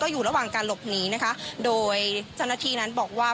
อยู่ระหว่างการหลบหนีนะคะโดยเจ้าหน้าที่นั้นบอกว่า